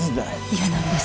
嫌なんです。